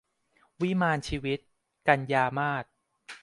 วิมานชีวิต - กันยามาส